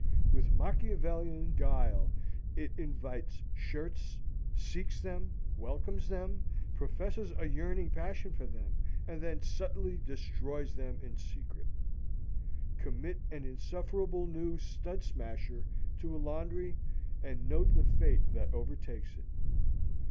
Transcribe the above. With Machiavellian guile it invites shirts, seeks them, welcomes them, professes a yearning passion for them; and then subtly destroys them in secret. Commit an insufferable new stud smasher to a laundry and note the fate that overtakes it.